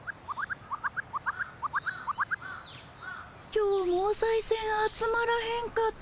今日もおさいせん集まらへんかったね